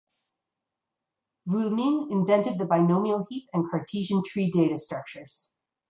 Vuillemin invented the binomial heap and Cartesian tree data structures.